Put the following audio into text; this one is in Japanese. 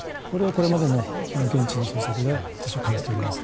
これまでの現地の捜索で私は感じております。